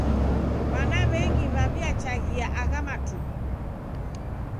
Wana w'engi w'aw'iachaghia agha matuku.